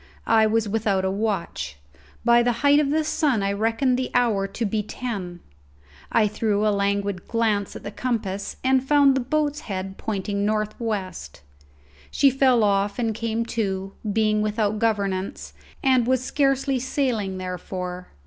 I was without a watch. By the height of the sun I reckoned the hour to be ten. I threw a languid glance at the compass and found the boat's head pointing north west; she fell off and came to, being without governance, and was scarcely sailing therefore.